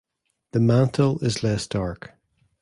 The mantle is less dark.